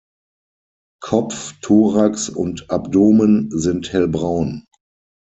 Kopf, Thorax und Abdomen sind hellbraun.